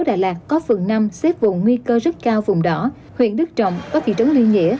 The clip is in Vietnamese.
đà lạt có phường năm xếp vùng nguy cơ rất cao vùng đỏ huyện đức trọng có thị trấn liên nghĩa